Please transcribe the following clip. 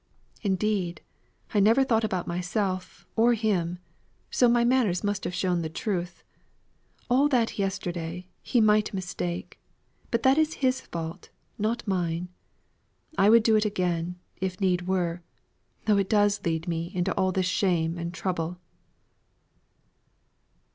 Indeed, I never thought about myself or him, so my manners must have shown the truth. All that yesterday, he might mistake. But that is his fault, not mine. I would do it again, if need were, though it does lead me into all this shame and trouble."